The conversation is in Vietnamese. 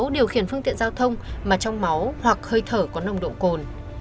điều khiển phương tiện giao thông mà trong máu hoặc hơi thở có nồng độ cồn